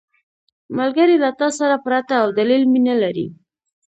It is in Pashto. ملګری له تا سره پرته له دلیل مینه لري